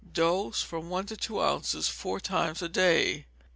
Dose, from one to two ounces, four times a day.